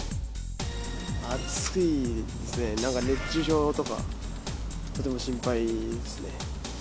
暑いですね、なんか熱中症とか、とても心配ですね。